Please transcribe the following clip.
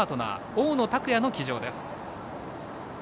大野拓弥の騎乗です。